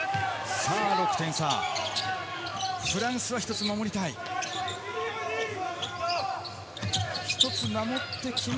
６点差、フランスは一つ守りたい。